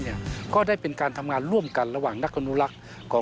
เงื่อนจากกองทุนนี้ยังส่งต่อไปถึงโบราณสถาน